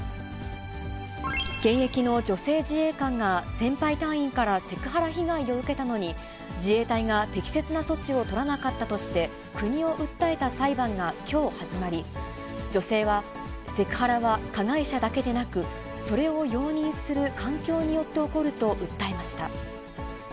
現役の女性自衛官が先輩隊員からセクハラ被害を受けたのに、自衛隊が適切な措置を取らなかったとして、国を訴えた裁判がきょう始まり、女性はセクハラは加害者だけでなく、それを容認する環境によって起こると訴えました。